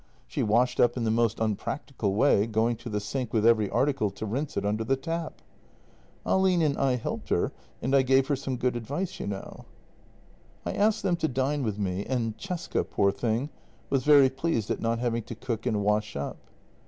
She washed up in the most unpractical way, going to the sink with every article to rinse it under the tap. Ahlin and I helped her, and I gave her some good advice, you know. " I asked them to dine with me, and Cesca, poor thing, was very pleased at not having to cook and wash up.